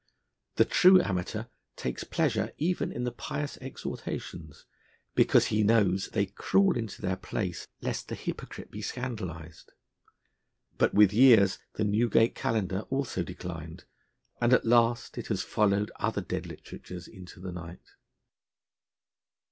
The true amateur takes pleasure even in the pious exhortations, because he knows that they crawl into their place, lest the hypocrite be scandalised. But with years the Newgate Calendar also declined, and at last it has followed other dead literatures into the night.